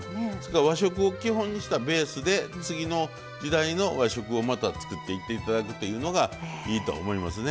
和食を基本にしたベースで次の時代の和食をまた作っていっていただくというのがいいと思いますね。